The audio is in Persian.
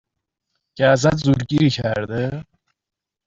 که ازت زورگیری کرده ؟